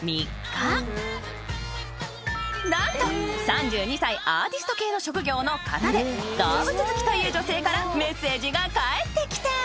［何と３２歳アーティスト系の職業の方で動物好きという女性からメッセージが返ってきた］